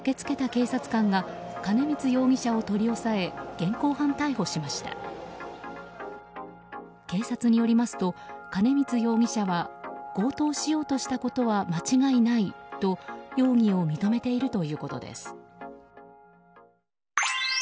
警察によりますと金光容疑者は強盗しようとしたことは間違いないと容疑を認めているということです。